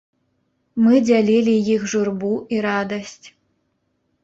Мы дзялілі іх журбу і радасць.